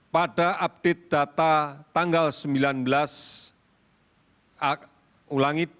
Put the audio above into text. pada update data tanggal sembilan belas